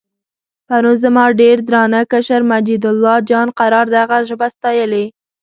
پرون زما ډېر درانه کشر مجیدالله جان قرار دغه ژبه ستایلې.